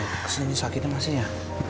masih sakitnya masih ya